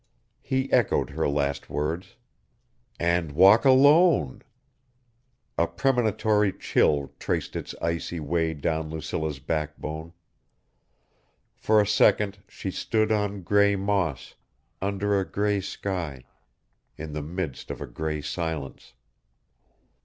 He echoed her last words. "And walk alone...." A premonitory chill traced its icy way down Lucilla's backbone. For a second she stood on gray moss, under a gray sky, in the midst of a gray silence.